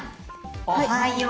おはよう。